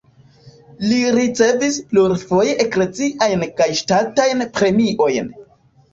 Li ricevis plurfoje ekleziajn kaj ŝtatajn premiojn.